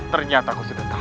ternyata aku sudah tahu